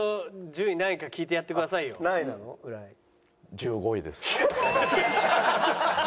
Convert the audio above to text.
１５位です。